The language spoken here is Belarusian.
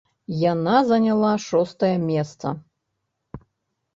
Яна заняла шостае месца.